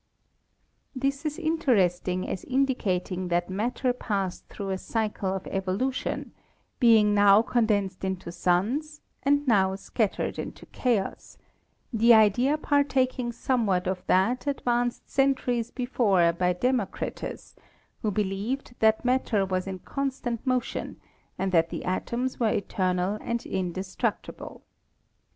This is inter esting as indicating that matter passed through a cycle of evolution, being now condensed into suns and now scattered into chaos, the idea partaking somewhat of that advanced centuries before by Democritus, who believed that matter was in constant motion and that the atoms were eternal and indestructible.